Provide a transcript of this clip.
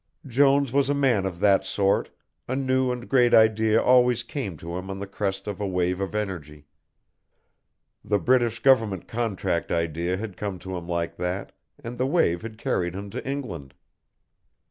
Jones was a man of that sort, a new and great idea always came to him on the crest of a wave of energy; the British Government Contract idea had come to him like that, and the wave had carried him to England.